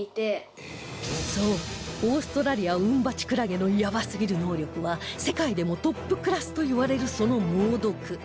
そうオーストラリアウンバチクラゲのヤバすぎる能力は世界でもトップクラスといわれるその猛毒